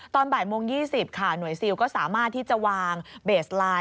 ตอนบ่ายโมง๒๐ค่ะหน่วยซิลก็สามารถที่จะวางเบสไลน์